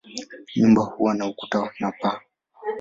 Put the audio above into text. Nyumba huwa na ukuta na paa.